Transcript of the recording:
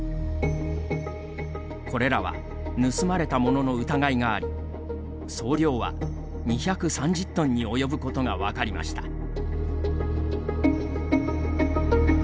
これらは盗まれたものの疑いがあり総量は２３０トンに及ぶことがわかりました。